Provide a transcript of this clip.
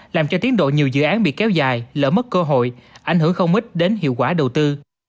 làm cho tiến độ nhiều dự án bị kéo dài lỡ mất cơ hội ảnh hưởng không ít đến hiệu quả đầu tư